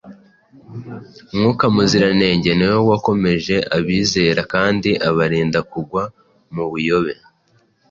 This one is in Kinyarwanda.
Mwuka Muziranenge ni we wakomeje abizera kandi abarinda kugwa mu buyobe.